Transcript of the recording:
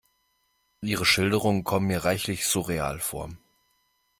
Ihre Schilderungen kommen mir reichlich surreal vor.